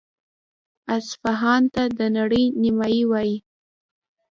اصفهان ته د نړۍ نیمایي وايي.